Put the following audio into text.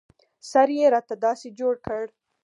سر يې راته داسې جوړ کړ.